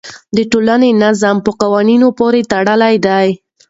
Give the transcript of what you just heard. د ټولنې نظم په قوانینو پورې تړلی دی.